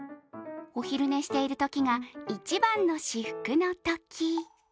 お昼寝しているときが一番の至福のとき。